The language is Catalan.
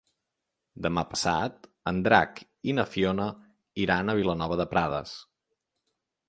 Demà passat en Drac i na Fiona iran a Vilanova de Prades.